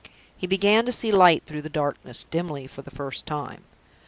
He began to see light through the darkness, dimly, for the first time.